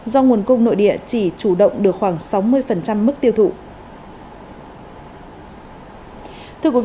do nguồn cung nội địa chỉ chủ động được khoảng sáu mươi mức tiêu thụ